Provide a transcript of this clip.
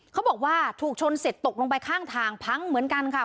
เขาบอกว่าถูกชนเสร็จตกลงไปข้างทางพังเหมือนกันค่ะ